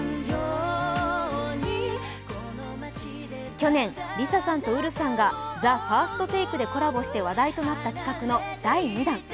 去年、ＬｉＳＡさんとＵｒｕさんがＴＨＥＦＩＲＳＴＴＡＫＥでコラボして話題となった企画の第２弾。